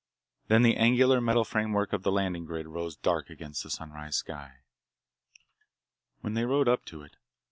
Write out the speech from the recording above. Then the angular metal framework of the landing grid rose dark against the sunrise sky. When they rode up to it.